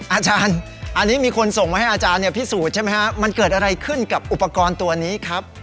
อาจารย์อันนี้มีคนส่งมาให้อาจารย์เนี่ยพิสูจน์ใช่ไหมฮะมันเกิดอะไรขึ้นกับอุปกรณ์ตัวนี้ครับ